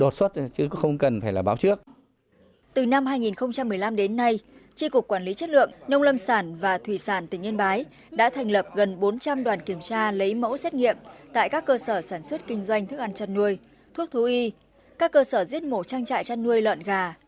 từ năm hai nghìn một mươi năm đến nay tri cục quản lý chất lượng nông lâm sản và thủy sản tỉnh yên bái đã thành lập gần bốn trăm linh đoàn kiểm tra lấy mẫu xét nghiệm tại các cơ sở sản xuất kinh doanh thức ăn chăn nuôi thuốc thú y các cơ sở giết mổ trang trại chăn nuôi lợn gà